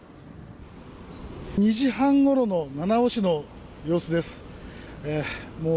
２時半ごろの七尾市の様子です。